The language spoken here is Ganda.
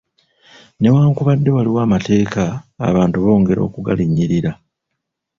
Newankubadde waliwo amateeka abantu bongera okugalinyirira.